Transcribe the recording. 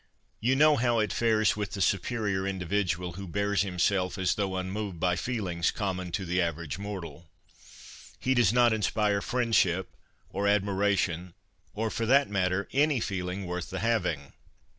You know how it fares with the superior individual who bears himself as though unmoved by feelings ' OUTSIDE THEIR BOOKS ' 51 common to the average mortal. He does not inspire friendship, or admiration, or, for that matter, any feeling worth the having.